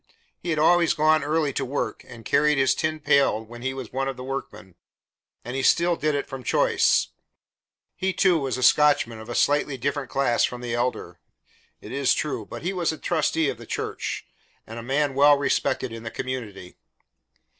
He had always gone early to work, and carried his tin pail when he was one of the workmen, and he still did it from choice. He, too, was a Scotchman of a slightly different class from the Elder, it is true, but he was a trustee of the church, and a man well respected in the community.